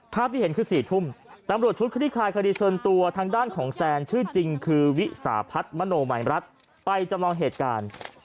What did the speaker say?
ที่เห็นคือ๔ทุ่มตำรวจชุดคลี่คลายคดีเชิญตัวทางด้านของแซนชื่อจริงคือวิสาพัฒน์มโนมัยรัฐไปจำลองเหตุการณ์